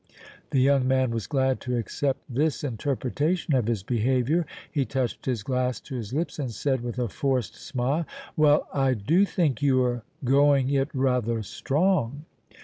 The young man was glad to accept this interpretation of his behavior; he touched his glass to his lips and said, with a forced smile: "Well, I do think you are going it rather strong!"